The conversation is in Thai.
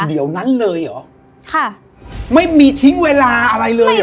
เดี๋ยวนั้นเลยเหรอไม่ทิ้งเวลาอะไรเลยหรอ